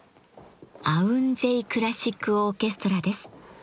アウン・ジェイ・クラシック・オーケストラです。